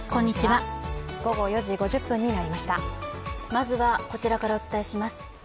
まずはこちらからお伝えします。